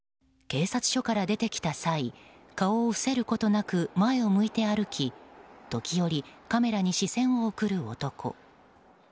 警察署から出てきた際顔を伏せることなく前を向いて歩き時折カメラに視線を送る男。